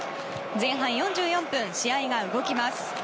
前半４４分試合が動きます。